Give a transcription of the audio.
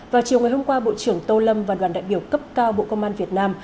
vào chiều ngày hôm qua bộ trưởng tô lâm và đoàn đại biểu cấp cao bộ công an việt nam